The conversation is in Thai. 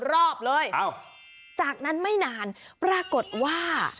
รอบเลยจากนั้นไม่นานปรากฏว่า